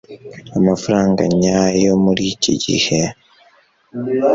amafaranga nyayo muriki gihe